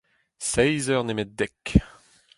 seizh eur nemet dek